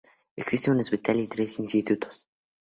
Existe un hospital y tres institutos.